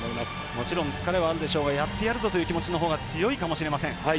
もちろん疲れはあるでしょうがやってやるぞ！という気持ちのほうが強いかもしれません。